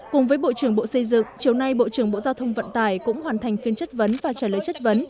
cùng với bộ trưởng bộ xây dựng chiều nay bộ trưởng bộ giao thông vận tải cũng hoàn thành phiên chất vấn và trả lời chất vấn